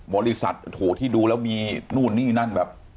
บริษัทโอ้โหที่ดูแล้วมีนู่นนี่นั่นแบบ